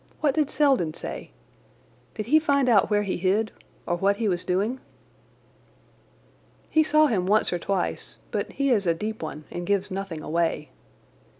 What did Selden say? Did he find out where he hid, or what he was doing?" "He saw him once or twice, but he is a deep one and gives nothing away.